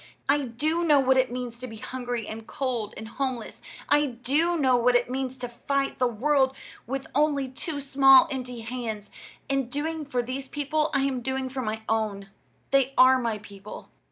I do know what it means to be hungry and cold and homeless. I do know what it means to fight the world with only two small empty hands. In doing for these people I am doing for my own. They are my people."